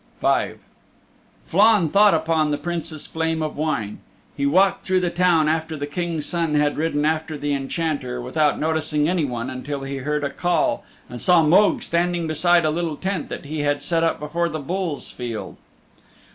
V Flann thought upon the Princess Flame of Wine. He walked through the town after the King's Son had ridden after the Enchanter, without noticing anyone until he heard a call and saw Mogue standing beside a little tent that he had set up before the Bull's Field.